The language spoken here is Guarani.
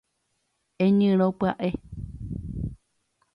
Eñyrõ pya'e